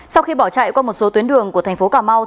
sau khi bỏ chạy qua một số tuyến đường của thành phố cà mau